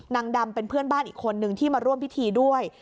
นางดำเป็นเพื่อนบ้านอีกคนนึงที่มาร่วมพิธีด้วย